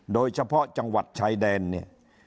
โดยเฉพาะจังหวัดชายแดนเนี่ย